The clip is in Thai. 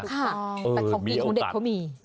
แต่ของดีของเด็ดเขามี